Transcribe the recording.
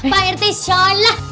pak erci salah